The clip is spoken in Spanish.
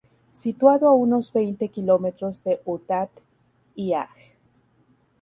Situado a unos veinte kilómetros de Outat-lhaj.